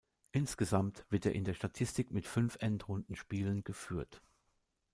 Insgesamt wird er in der Statistik mit fünf Endrundenspielen geführt.